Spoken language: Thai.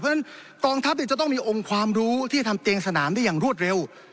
เพราะฉะนั้นกองทัพจะต้องมีองค์ความรู้ที่ทำเตียงสนามได้อย่างรวดเร็ว